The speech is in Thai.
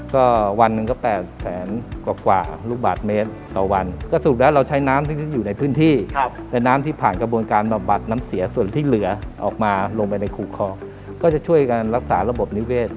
ก็วันหนึ่งก็๘แสนกว่าลูกบาทเมตรต่อวันก็สรุปแล้วเราใช้น้ำที่อยู่ในพื้นที่และน้ำที่ผ่านกระบวนการบำบัดน้ำเสียส่วนที่เหลือออกมาลงไปในคูคอก็จะช่วยกันรักษาระบบนิเวศ